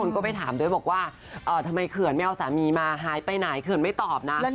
นะคะว่าเคื่อนไม่ได้เอาสามีมาหายไปไหนเคื่อนไม่ตอบนะ